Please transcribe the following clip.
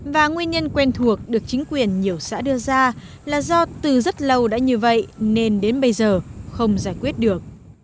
và nguyên nhân quen thuộc được chính quyền nhiều xã đưa ra là do từ rất lâu đã như vậy nên đến bây giờ không giải quyết được